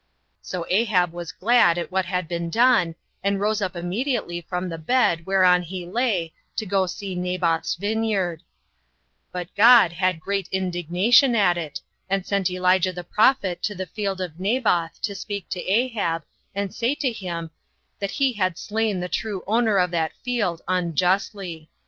So Ahab was glad at what had been done, and rose up immediately from the bed whereon he lay to go to see Naboth's vineyard; but God had great indignation at it, and sent Elijah the prophet to the field of Naboth, to speak to Ahab, and to say to him, that he had slain the true owner of that field unjustly.